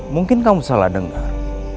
mungkin kamu salah dengar